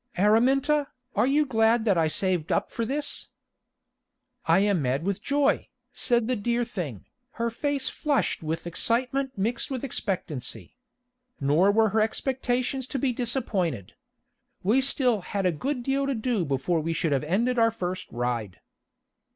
"Araminta, are you glad that I saved up for this?" "I am mad with joy," said the dear thing, her face flushed with excitement mixed with expectancy. Nor were her expectations to be disappointed. We still had a good deal to do before we should have ended our first ride.